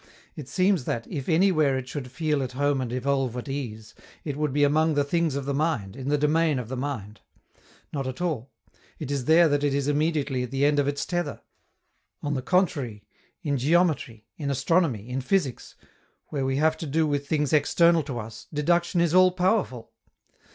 It seems that, if anywhere it should feel at home and evolve at ease, it would be among the things of the mind, in the domain of the mind. Not at all; it is there that it is immediately at the end of its tether. On the contrary, in geometry, in astronomy, in physics, where we have to do with things external to us, deduction is all powerful!